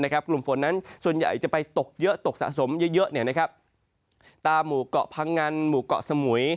กลุ่มฝนนั้นส่วนใหญ่จะไปตกเยอะตกสะสมเยอะตามหมู่เกาะพังงันหมู่เกาะสมุย